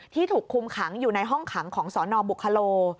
ถูกคุมขังอยู่ในห้องขังของสนบุคโล